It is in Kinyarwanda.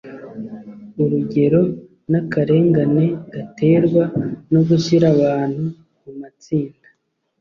urugero n’akarengane gaterwa no gushyira abantu mu matsinda